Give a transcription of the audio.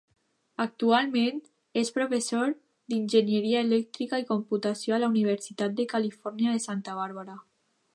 Actualment, és professor d'enginyeria elèctrica i computació a la Universitat de Califòrnia de Santa Bàrbara.